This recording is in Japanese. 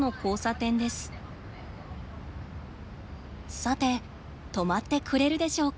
さて止まってくれるでしょうか。